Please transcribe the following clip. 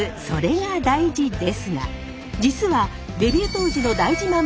「それが大事」ですが実はデビュー当時の大事ＭＡＮ